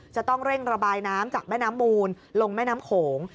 จะต้องเร่งระบายน้ำจากแม่น้ำมูลลงแม่น้ำโขง